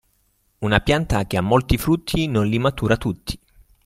Una pianta che ha molti frutti non li matura tutti.